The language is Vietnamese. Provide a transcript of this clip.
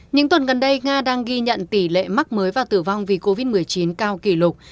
những tuần gần đây nga đang ghi nhận tỷ lệ mắc mới và tử vong vì covid một mươi chín cao kỷ lục